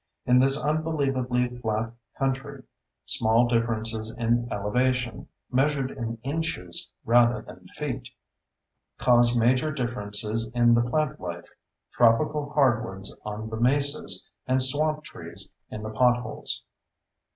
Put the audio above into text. In this unbelievably flat country, small differences in elevation—measured in inches rather than feet—cause major differences in the plantlife: tropical hardwoods on the "mesas," and swamp trees in the potholes.